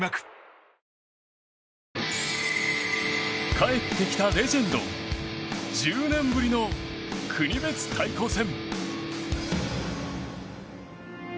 帰ってきたレジェンド１０年ぶりの国別対抗戦。